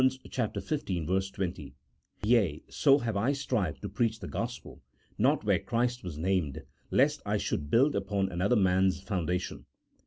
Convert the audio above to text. xv. 20) :" Yea, so have I strived to preach the gospel, not where Christ was named, lest I should build upon another man's foundation."